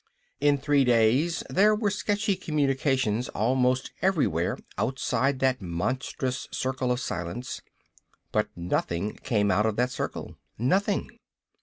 In three days there were sketchy communications almost everywhere outside that monstrous circle of silence. But nothing came out of that circle. Nothing.